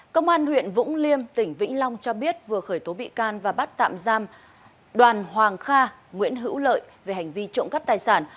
công an huyện vũng liêm tỉnh vĩnh long cho biết vừa khởi tố bị can và bắt tạm giam đoàn hoàng kha nguyễn hữu lợi về hành vi trộm cắp tài sản